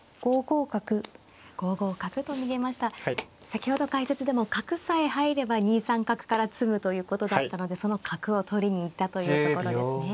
先ほど解説でも角さえ入れば２三角から詰むということだったのでその角を取りに行ったというところですね。